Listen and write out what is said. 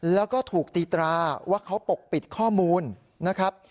แล้วก็ถูกตีตราว่าเขาปกปิดข้อมูลนะครับ